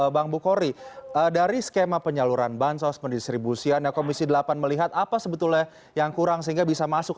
bang bukhori dari skema penyaluran bansos pendistribusiannya komisi delapan melihat apa sebetulnya yang kurang sehingga bisa masuk